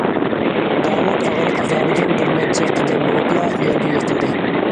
داۋۇت ئاغرىق ئازابىدىن بىر نەچچە قەدەم مېڭىپلا يەرگە يىقىلدى.